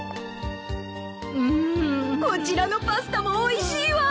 こちらのパスタもおいしいわ。